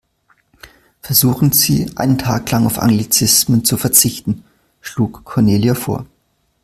Versuchen Sie, einen Tag lang auf Anglizismen zu verzichten, schlug Cornelia vor.